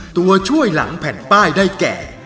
ตัวช่วยหลังแผ่นป้ายได้แก่